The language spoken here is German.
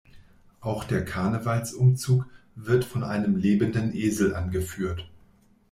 Auch der Karnevalsumzug wird von einem lebenden Esel angeführt.